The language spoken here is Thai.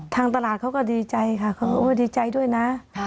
ทางตลาดเขาก็ดีใจค่ะเขาดีใจด้วยนะ